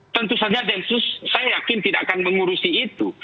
tentu saja densus saya yakin tidak akan mengurusi itu